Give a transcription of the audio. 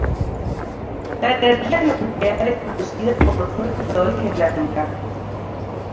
La energía nuclear es producida por dos reactores en Angra.